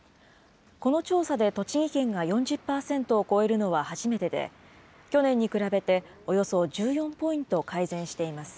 この調査で栃木県が４０％を超えるのは初めてで、去年に比べておよそ１４ポイント改善しています。